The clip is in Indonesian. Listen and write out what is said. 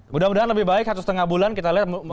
mudah mudahan lebih baik satu setengah bulan kita lihat